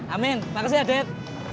amin makasih ya det